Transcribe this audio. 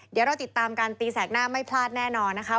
เดี๋ยวเราติดตามการตีแสกหน้าไม่พลาดแน่นอนนะคะ